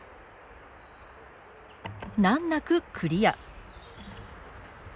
なんなくクリア。